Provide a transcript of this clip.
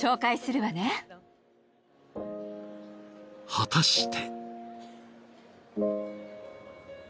［果たして］